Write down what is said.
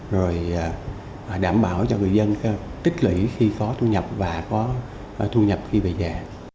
rồi đảm bảo cho người dân tích lĩ khi có thu nhập và có thu nhập khi về nhà